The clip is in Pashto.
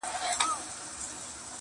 ماشوم وم چي بوډا کیسه په اوښکو لمبوله!